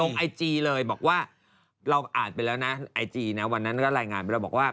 ไอจีเลยบอกว่าเราอ่านไปแล้วนะไอจีนะวันนั้นก็รายงานไปแล้วบอกว่า